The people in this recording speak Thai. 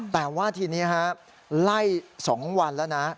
แต่ว่าทีนี้ฮะไล่๒วันแล้วนะ